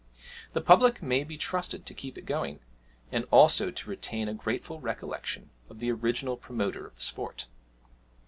The public may be trusted to keep it going, and also to retain a grateful recollection of the original promoter of the sport.